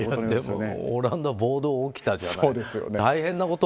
でも、オランダは暴動が起きたじゃない。